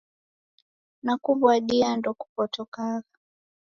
Nakuw'adia, ndokupotokagha.